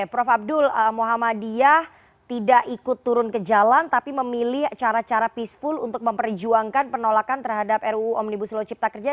prof abdul muhammadiyah tidak ikut turun ke jalan tapi memilih cara cara peaceful untuk memperjuangkan penolakan terhadap ruu omnibus law cipta kerja